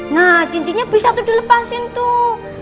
nah cincinya bisa tuh dilepasin tuh